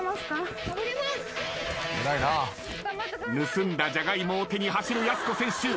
盗んだジャガイモを手に走るやす子選手。